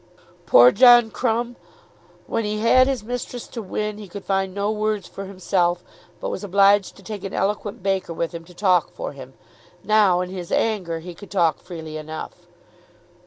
Poor John Crumb! When he had his mistress to win he could find no words for himself; but was obliged to take an eloquent baker with him to talk for him. Now in his anger he could talk freely enough.